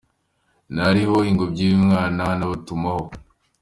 n’Abiru ho ingobyi y’umwana; anabatumaho